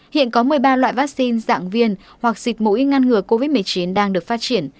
hiện có một mươi ba loại vaccine dạng viên hoặc xịt mũi ngăn ngừa covid một mươi chín đang được phát triển